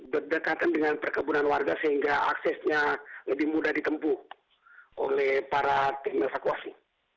berdekatan dengan perkebunan warga sehingga aksesnya lebih mudah ditempuh oleh para tim evakuasi